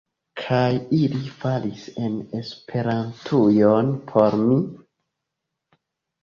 Kaj ili falis en Esperantujon por mi.